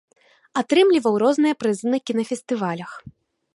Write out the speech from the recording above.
Атрымліваў розныя прызы на кінафестывалях.